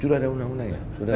sudah ada undang undangnya